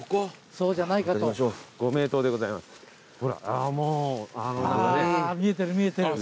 あぁ見えてる見えてる。